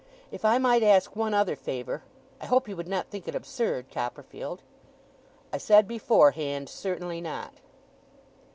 'If I might ask one other favour, I hope you would not think it absurd, Copperfield?' I said beforehand, certainly not.